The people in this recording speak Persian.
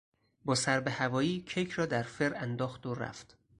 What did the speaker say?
با سر به هوایی کیک را در فر انداخت و رفت.